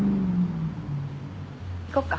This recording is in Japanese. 行こっか。